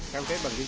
cam kết bằng cái gì